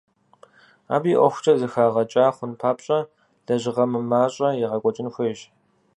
Абы и ӏуэхукӏэ зэхэгъэкӏа хъун папщӏэ лэжьыгъэ мымащӏэ егъэкӏуэкӏын хуейщ.